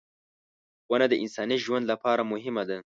• ونه د انساني ژوند لپاره مهمه ده.